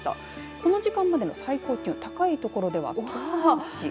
この時間までの最高気温高い所では富山市。